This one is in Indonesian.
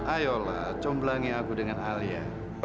ayolah comblangi aku dengan alia